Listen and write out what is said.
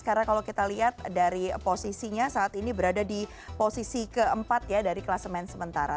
karena kalau kita lihat dari posisinya saat ini berada di posisi keempat ya dari kelas main sementara